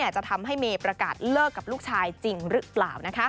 จะทำให้เมย์ประกาศเลิกกับลูกชายจริงหรือเปล่า